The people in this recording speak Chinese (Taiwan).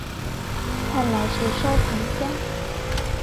看來是收藏家